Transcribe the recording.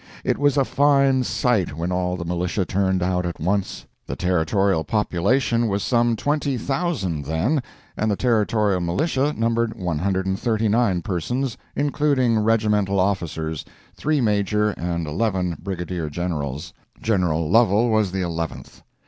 It was a fine sight when all the militia turned out at once. The territorial population was some 20,000 then, and the Territorial militia numbered 139 persons, including regimental officers, three major and eleven brigadier generals. General Lovel was the eleventh.